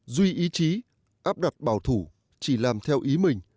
duy ý chí áp đặt bảo thủ chỉ làm theo ý mình